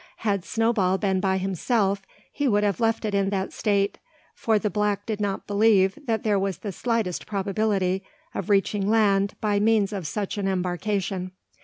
Had Snowball been by himself he would have left it in that state: for the black did not yet believe that there was the slightest probability of reaching land by means of such an embarkation.